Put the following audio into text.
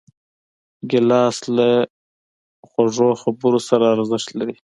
ګیلاس له خوږو خبرو سره ارزښت لري.